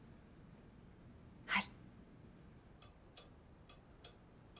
はい。